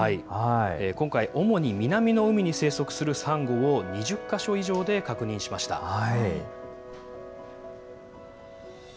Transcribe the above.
今回、主に南の海に生息するサンゴを、２０か所以上で確認しました。